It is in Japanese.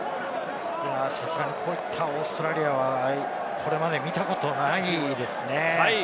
さすがにこういったオーストラリアは、これまで見たことないですね。